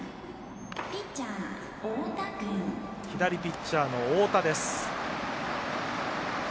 左ピッチャーの太田です。